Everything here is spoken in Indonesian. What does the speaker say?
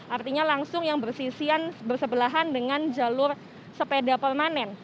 artinya langsung yang bersisian bersebelahan dengan jalur sepeda permanen